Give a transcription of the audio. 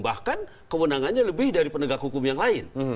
bahkan kewenangannya lebih dari penegak hukum yang lain